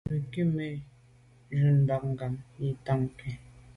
Ndù me ke jun mbumngab yi t’a kum nkù.